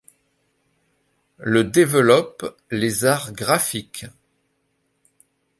Le développe les arts graphiques.